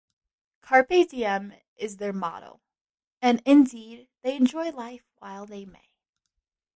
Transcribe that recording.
Carpe diem is their motto, and indeed, they enjoy life while they may.